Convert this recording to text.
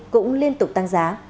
cũng liên tục tăng giá